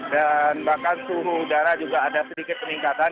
bahkan suhu udara juga ada sedikit peningkatan